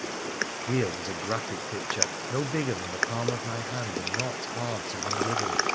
Here was a graphic picture, no bigger than the palm of my hand, and not hard to unriddle.